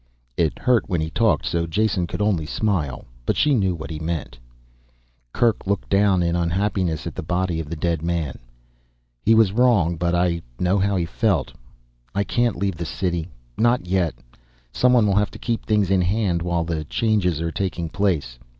It hurt when he talked so Jason could only smile, but she knew what he meant. Kerk looked down in unhappiness at the body of the dead man. "He was wrong but I know how he felt. I can't leave the city, not yet. Someone will have to keep things in hand while the changes are taking place.